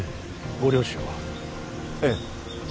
ご両親はええ